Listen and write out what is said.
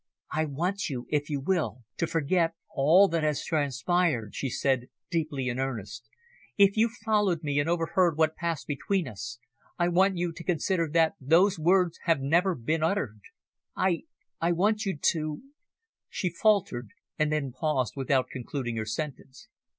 "I want you, if you will, to forget all that has transpired," she said, deeply in earnest. "If you followed me and overheard what passed between us, I want you to consider that those words have never been uttered. I I want you to " she faltered and then paused without concluding her sentence.